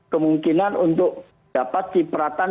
kemungkinan untuk dapat diperhatikan